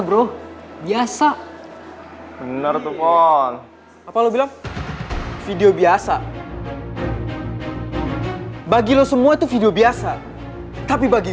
bro biasa bener tuh wow apa lo bilang video biasa bagi lo semua itu video biasa tapi bagi